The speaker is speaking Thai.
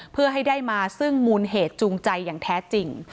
เพื่อให้ได้มาซึ่งมูลเหตุจูงใจอย่างแท้จริง